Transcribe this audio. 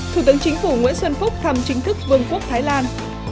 thủ tướng chính phủ nguyễn xuân phúc thăm chính thức vương quốc thái lan